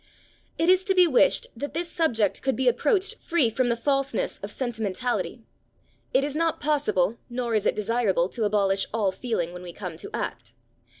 It is to be wished that this subject could be approached free from the falseness of sentimentality. It is not possible, nor is it desirable to abolish all feeling when we come to act.